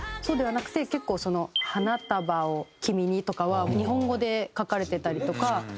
そうではなくて結構その『花束を君に』とかは日本語で書かれてたりとか。